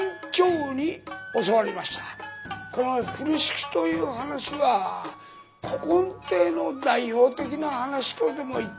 この「風呂敷」という噺は古今亭の代表的な噺とでも言ってもいいんでしょうか。